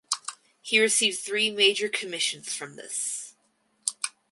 He received three major commissions from this.